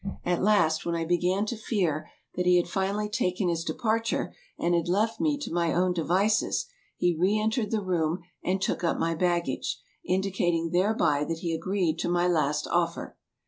At last, when I began to fear that he had finally taken his departure and had left me to my own devices, he re entered the room and took up my baggage, indicating thereby that he agreed to my last offer.